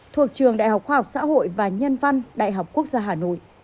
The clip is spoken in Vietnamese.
thuộc trường đại học khoa học xã hội và nhân văn đại học quốc gia hà nội